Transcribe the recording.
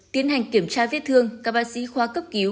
tiến hành kiểm tra vết thương các bác sĩ khoa cấp cứu